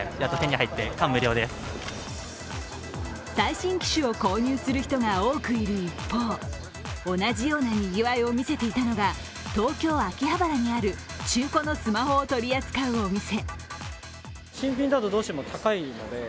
最新機種を購入する人が多くいる一方、同じようなにぎわいを見せていたのが、東京・秋葉原にある中古のスマホを取り扱うお店。